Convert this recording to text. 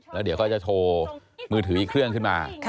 แล้วเดี๋ยวเขาจะโชว์มือถืออีกเครื่องขึ้นมา